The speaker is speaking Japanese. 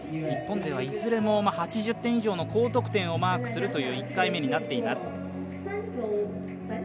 日本勢はいずれも８０点以上の高得点をマークするという１回目になっています。